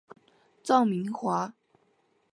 臧明华。